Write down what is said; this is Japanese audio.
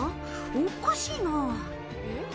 おかしいな。